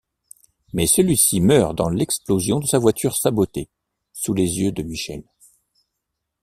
Mais celui-ci meurt dans l'explosion de sa voiture sabotée, sous les yeux de Michel.